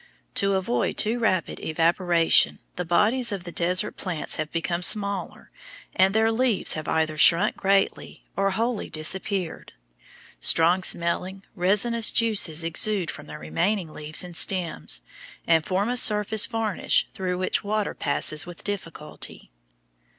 To avoid too rapid evaporation the bodies of the desert plants have become smaller, and their leaves have either shrunk greatly or wholly disappeared. Strong smelling, resinous juices exude from the remaining leaves and stems, and form a surface varnish through which water passes with difficulty.